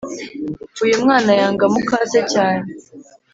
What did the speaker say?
Uyumwana yanga mukase cyane